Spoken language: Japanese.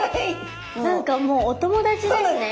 何かもうお友達ですね